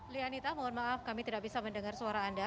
lianita mohon maaf kami tidak bisa mendengar suara anda